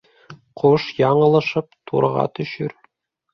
Ҡош яңылышып турға төшөр.